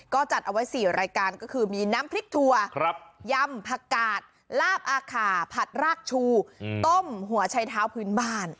ก็จัดไว้๔รายการมีน้ำพริกทัวร์ยำผักกาดรากอาคาผักลากชู่ต้มหัวไชเท้าพื้นบ้าน